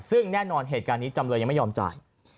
ซึ่งแน่นอนเหตุการณ์นี้จำเลยยังไม่ยอมจ่าย